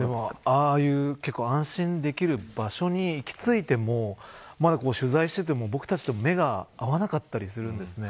ああいう安心できる場所に行き着いても取材していても僕たちと目が合わなかったりするんです。